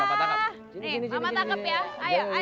aduh aduh aduh aduh papa tangkap nih papa tangkap